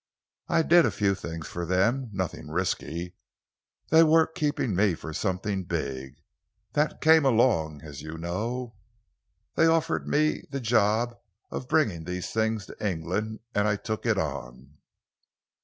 I did a few things for them nothing risky. They were keeping me for something big. That came along, as you know. They offered me the job of bringing these things to England, and I took it on."